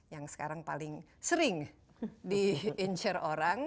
yang sekarang paling sering diincer orang